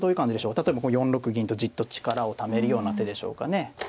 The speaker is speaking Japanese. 例えば４六銀とじっと力をためるような手でしょうかね。